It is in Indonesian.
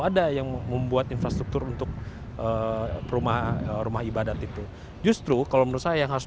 ada yang membuat infrastruktur untuk rumah rumah ibadat itu justru kalau menurut saya yang harus